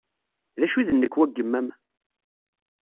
D acu i d nnekwa n yemma-m?